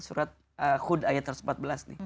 surat khud ayat satu ratus empat belas